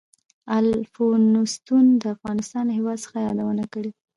الفونستون د افغانستان له هېواد څخه یادونه کړې.